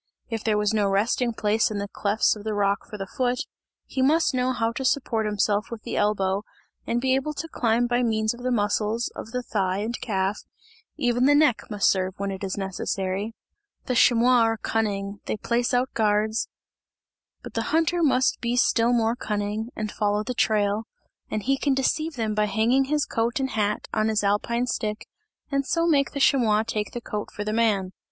If there was no resting place in the clefts of the rock for the foot, he must know how to support himself with the elbow, and be able to climb by means of the muscles of the thigh and calf, even the neck must serve when it is necessary. The chamois are cunning, they place out guards but the hunter must be still more cunning and follow the trail and he can deceive them by hanging his coat and hat on his alpine stick, and so make the chamois take the coat for the man.